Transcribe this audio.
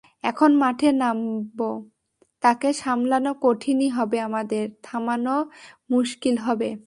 যখন মাঠে নামব, তাঁকে সামলানো কঠিনই হবে আমাদের, থামানো মুশকিল হবে।